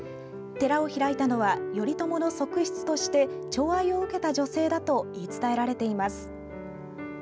寺を開いたのは頼朝の側室として寵愛を受けた女性だと言い伝えられています。